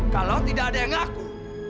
kalau tidak ada yang ngaku